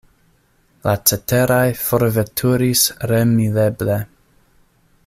La ceteraj forveturis remileble.